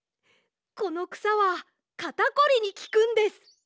このくさはかたこりにきくんです。